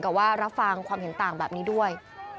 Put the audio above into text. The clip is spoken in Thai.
ว่ารับฟังความเห็นต่างแบบนี้ด้วย